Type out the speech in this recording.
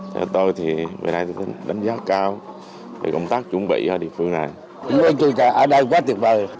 thế tôi thì bây giờ tôi đánh giá cao về công tác chuẩn bị ở địa phương này